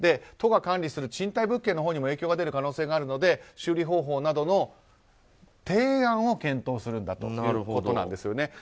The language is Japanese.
都が管理する賃貸物件にも影響が出る可能性があるので修理方法などの提案を検討するんだということなんですね。